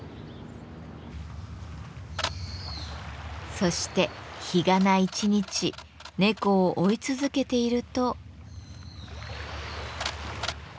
そして日がな一日猫を追い続けていると。